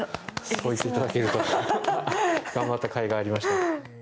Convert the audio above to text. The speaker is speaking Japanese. そう言っていただけると頑張ったかいがありました。